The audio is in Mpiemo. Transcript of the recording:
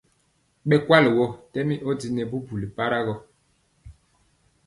Bɛ kuali wɔɔ tɛmi ɔdinɛ bubuli para gɔ.